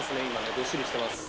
どっしりしてます。